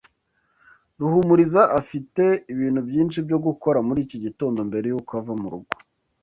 Ruhumuriza afite ibintu byinshi byo gukora muri iki gitondo mbere yuko ava mu rugo.